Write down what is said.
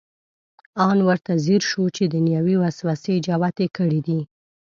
ان ورته ځیر شو چې دنیوي وسوسې جوتې کړې دي.